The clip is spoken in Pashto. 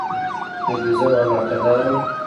د ګېزو علاقه داره.